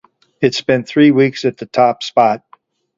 It spent three weeks at the top spot.